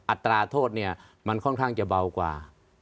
อัตราโทษเนี่ยมันค่อนข้างจะเบากว่า